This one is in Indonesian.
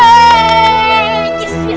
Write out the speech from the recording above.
ya saya mau bagi